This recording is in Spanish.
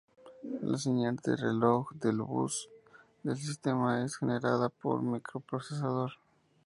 La señal de reloj del bus de sistema es generada por el microprocesador.